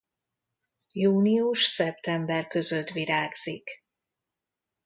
Június-szeptember között virágzik.